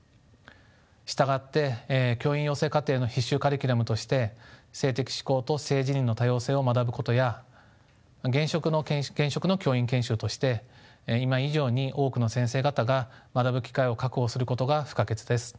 従って教員養成課程の必修カリキュラムとして性的指向と性自認の多様性を学ぶことや現職の教員研修として今以上に多くの先生方が学ぶ機会を確保することが不可欠です。